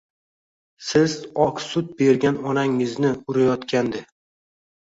Siz oq sut bergan onangizni urayotgandi.